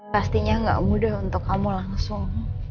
pastinya gak mudah untuk kamu langsung